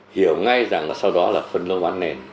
hiểu ngay rằng là sau đó là phân lô bán nền